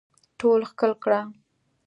ټول ښکل کړه